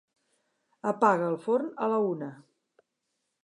Apaga el forn a la una.